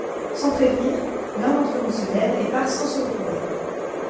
Sans prévenir, l’un d’entre nous se lève et part sans se retourner.